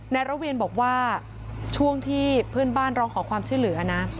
ระเวียนบอกว่าช่วงที่เพื่อนบ้านร้องขอความช่วยเหลือนะ